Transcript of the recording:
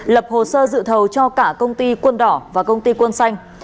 lập hồ sơ dự thầu cho cả công ty quân đỏ và công ty quân xanh